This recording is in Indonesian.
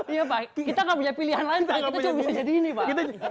iya pak kita gak punya pilihan lain pak kita cuma bisa jadi ini pak